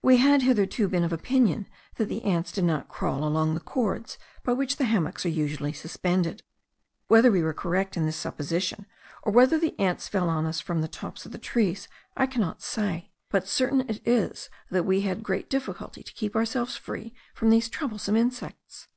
We had hitherto been of opinion that the ants did not crawl along the cords by which the hammocks are usually suspended: whether we were correct in this supposition, or whether the ants fell on us from the tops of the trees, I cannot say; but certain it is that we had great difficulty to keep ourselves free from these troublesome insects.